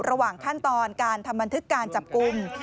ระหว่างขั้นตอนการทำบันทึกการจับกลุ่ม